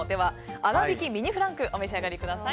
粗挽きミニフランクをお召し上がりください。